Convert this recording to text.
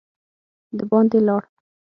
د باندي لاړ.